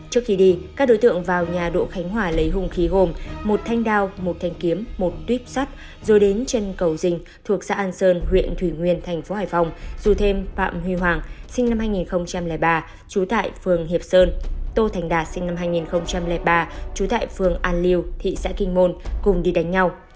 trước khi đi các đối tượng vào nhà đỗ khánh hòa lấy hùng khí gồm một thanh đao một thanh kiếm một tuyếp sắt rồi đến chân cầu rình thuộc xã an sơn huyện thủy nguyên thành phố hải phòng rủ thêm phạm huy hoàng sinh năm hai nghìn ba trú tại phường hiệp sơn tô thành đạt sinh năm hai nghìn ba trú tại phường an liêu thị xã kinh môn cùng đi đánh nhau